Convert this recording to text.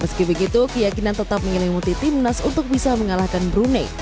meski begitu keyakinan tetap mengelimuti tim nas untuk bisa mengalahkan brunei